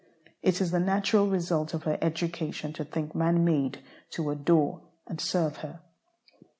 It is the natural result of her education to think man made to adore and serve her.